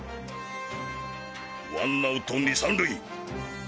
ワンアウト２・３塁。